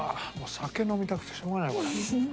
酒飲みたくてしょうがないこれ。